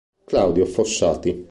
Claudio Fossati